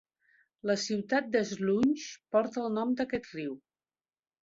La ciutat de Slunj porta el nom d'aquest riu.